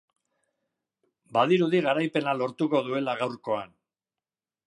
Badirudi garaipena lortuko duela gaurkoan.